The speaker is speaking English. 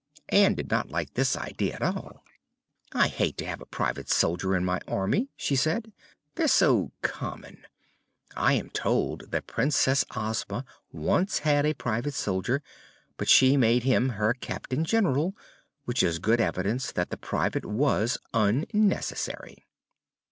Ann did not like this idea at all. "I hate to have a Private Soldier in my army," she said; "they're so common. I am told that Princess Ozma once had a private soldier, but she made him her Captain General, which is good evidence that the private was unnecessary."